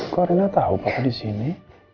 kau tidak tahu papa di sini